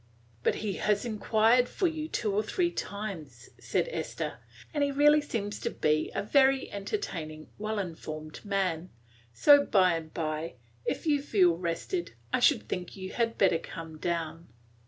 "But he has inquired for you two or three times," said Esther, "and he really seems to be a very entertaining, well informed man; so by and by, if you feel rested, I should think you had better come down."